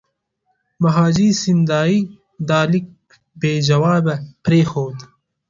مهاجي سیندیا دا لیک بې جوابه پرېښود.